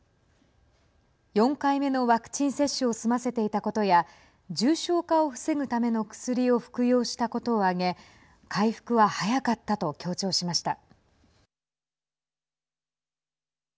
４回目のワクチン接種を済ませていたことや重症化を防ぐための薬を服用したことを挙げ回復は早かったと強調しました。